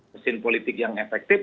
mesin politik yang efektif